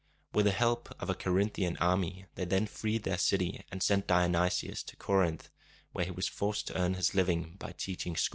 With the help of a Co rin´thi an army, they then freed their city, and sent Dionysius to Corinth, where he was forced to earn his living by teaching school.